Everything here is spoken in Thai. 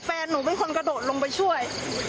แฟนหนูเป็นคนกระโดดลงไปช่วย